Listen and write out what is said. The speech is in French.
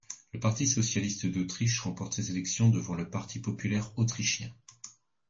Le Parti socialiste d'Autriche remporte ces élections devant le Parti populaire autrichien.